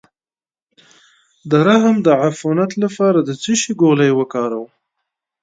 د رحم د عفونت لپاره د څه شي ګولۍ وکاروم؟